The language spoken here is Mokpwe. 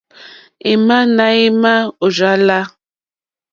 Ò má náɛ̌má ò rzá lā.